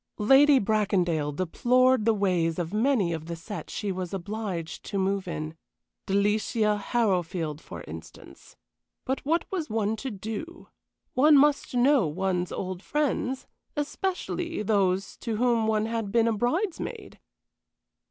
Lady Bracondale deplored the ways of many of the set she was obliged to move in Delicia Harrowfield, for instance. But what was one to do? One must know one's old friends, especially those to whom one had been a bridesmaid!